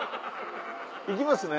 行きますね。